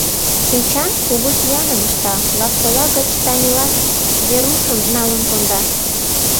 Эчан кугу сӱаным ышта, Лапсола гыч Танилан Верушым налын конда.